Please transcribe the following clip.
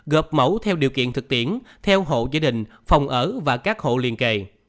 gợp mẫu theo điều kiện thực tiễn theo hộ gia đình phòng ở và các hộ liên kề